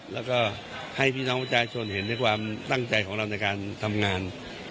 และให้พี่น้องใจชนเห็นด้วยความตั้งใจของเราในการทำงาน